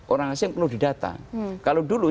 orang asing perlu didata kalau dulu